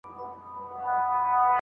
ما پر خپلو اخلاقو ډېر کار کړی دی.